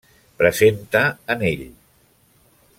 Presenta anell.